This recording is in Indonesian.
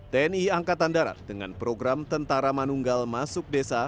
tni angkatan darat dengan program tentara manunggal masuk desa